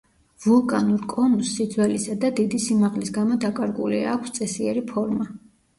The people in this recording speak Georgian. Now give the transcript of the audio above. ვულკანურ კონუსს სიძველისა და დიდი სიმაღლის გამო დაკარგული აქვს წესიერი ფორმა.